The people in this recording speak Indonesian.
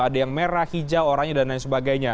ada yang merah hijau oranye dan lain sebagainya